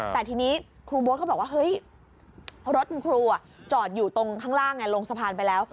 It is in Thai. แต่ทีนี้ครูโบ๊ทเขาบอกว่าเฮ้ยรถคุณครูจอดอยู่ตรงข้างล่างลงสะพานไปแล้ว